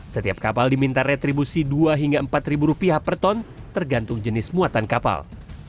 setiap kapal diminta retribusi dua hingga empat ribu rupiah per ton tergantung jenis muatan kapal